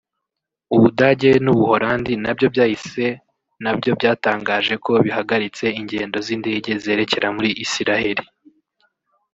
u Budage n’u Buholandi nabyo byahise nabyo byatangaje ko bihagaritse ingendo z’indege zerekeza muri Isiraheli